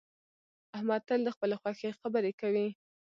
احمد تل د خپلې خوښې خبرې کوي